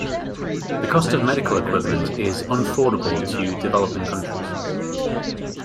The cost of Medical equipment is unfordable to developing countries.